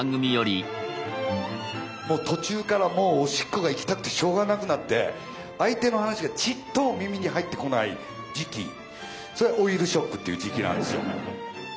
途中からもうおしっこが行きたくてしょうがなくなって相手の話がちっとも耳に入ってこない時期それが「老いるショック」っていう時期なんですよ。